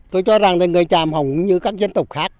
tôi cho rằng là người tràm họ cũng như các dân tộc khác